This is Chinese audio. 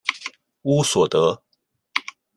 乌索德。